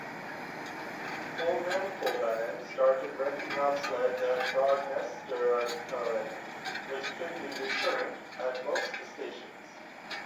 Holmenkolbanen started renting out sleds at Frogneseteren, which could be returned at most stations.